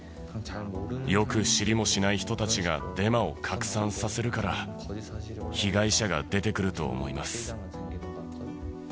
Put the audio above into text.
よく知りもしない人たちがデマを拡散させるから、被害者が出てくると思います。